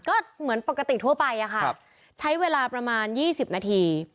ก็เหมือนปกติทั่วไปอะค่ะใช้เวลาประมาณ๒๐นาที